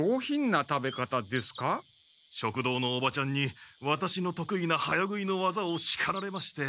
食堂のおばちゃんにワタシのとくいな早食いのわざをしかられまして。